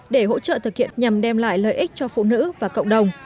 để hỗ trợ thực hiện nhằm đem lại lợi ích cho phụ nữ và cộng đồng